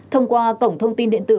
thông qua cổng thông tin điện tử